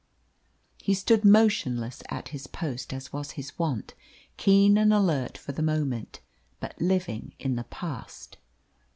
He stood motionless at his post, as was his wont, keen and alert for the moment, but living in the past.